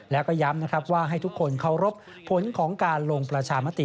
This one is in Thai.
แล้วก็ย้ำนะครับว่าให้ทุกคนเคารพผลของการลงประชามติ